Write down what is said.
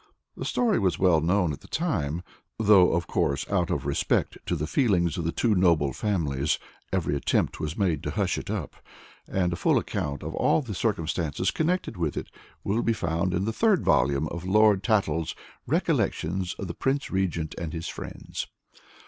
The story was well known at the time, though, of course, out of respect to the feelings of the two noble families, every attempt was made to hush it up, and a full account of all the circumstances connected with it will be found in the third volume of Lord Tattle's Recollections of the Prince Regent and his Friends.